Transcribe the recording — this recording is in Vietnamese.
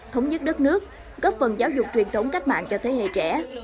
thống nhất đất nước góp phần giáo dục truyền thống cách mạng cho thế hệ trẻ